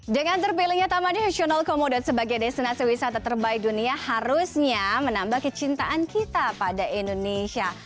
dengan terpilihnya taman nasional komodo sebagai destinasi wisata terbaik dunia harusnya menambah kecintaan kita pada indonesia